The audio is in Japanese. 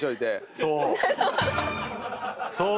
そう！